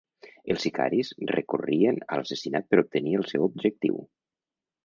Els sicaris recorrien a l'assassinat per obtenir el seu objectiu.